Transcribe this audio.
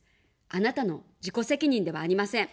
あなたの自己責任ではありません。